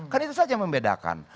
kan itu saja yang membedakan